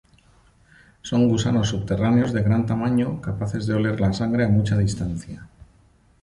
Son gusanos subterráneos de gran tamaño capaces de oler la sangre a mucha distancia.